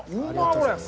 これ。